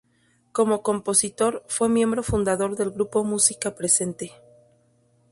Como compositor, fue miembro fundador del grupo Música Presente.